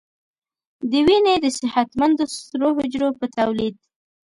د وینې د صحتمندو سرو حجرو په تولید